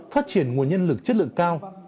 phát triển nguồn nhân lực chất lượng cao